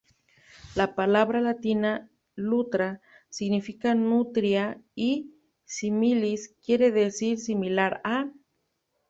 La palabra latina "lutra" significa "nutria", y "-similis" quiere decir "similar a".